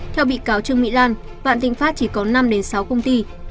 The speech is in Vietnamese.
theo bị cáo trương mỹ lan vạn tịnh pháp chỉ có năm sáu công ty